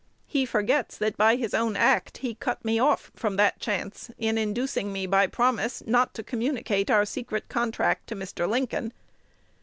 He forgets that by his own act he cut me off from that chance in inducing me, by promise, not to communicate our secret contract to Mr. Lincoln.